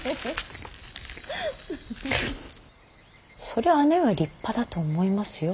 そりゃ姉上は立派だと思いますよ。